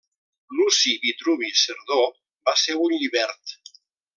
Luci Vitruvi Cerdó va ser un llibert.